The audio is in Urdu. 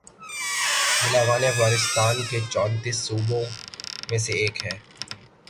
بغلان افغانستان کے چونتیس صوبوں میں سے ایک ہے